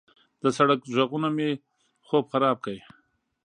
د سړک غږونه مې خوب خراب کړ.